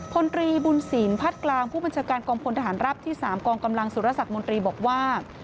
พลตรีบุญศีลพัดกลางผู้บัญชาการกองพลทหารรับที่๓กองกำลังสุรสักมนตรีบอกว่า